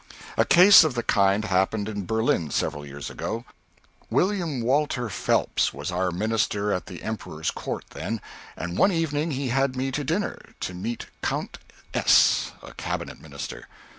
A case of the kind happened in Berlin several years ago. William Walter Phelps was our Minister at the Emperor's Court, then, and one evening he had me to dinner to meet Count S., a cabinet minister.